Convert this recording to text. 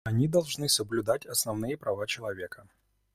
Они должны соблюдать основные права человека.